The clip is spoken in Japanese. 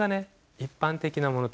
一般的なものと違う。